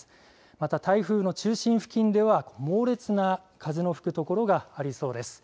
また台風の中心付近では、猛烈な風の吹く所がありそうです。